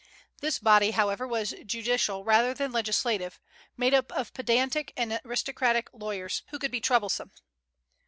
This body, however, was judicial rather than legislative; made up of pedantic and aristocratic lawyers, who could be troublesome.